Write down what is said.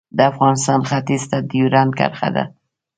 د افغانستان ختیځ ته ډیورنډ کرښه ده